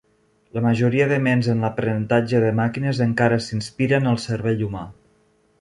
La majoria de ments en l'aprenentatge de màquines encara s'inspira en el cervell humà.